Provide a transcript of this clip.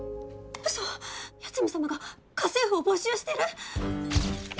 ウソ八海サマが家政婦を募集してる！？